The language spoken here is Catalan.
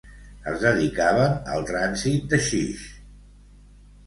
Es dedicaven al trànsit d'haixix.